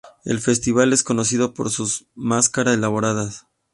El festival es conocido por sus máscara elaboradas.